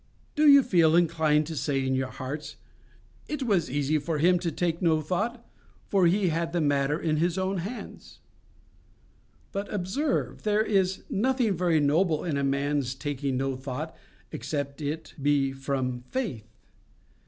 "Do you feel inclined to say in your hearts: 'It was easy for Him to take no thought, for He had the matter in His own hands?' But observe, there is nothing very noble in a man's taking no thought except it be from faith.